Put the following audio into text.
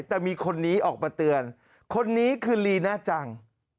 แต่มีคนนี้ออกมาเตือนคนนี้คือลีน่าจัง